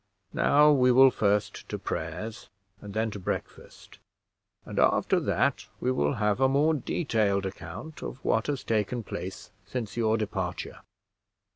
Now we will first to prayers, and then to breakfast; and after that we will have a more detailed account of what has taken place since your departure.